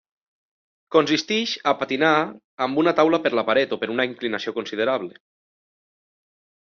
Consisteix a patinar amb una taula per la paret o per una inclinació considerable.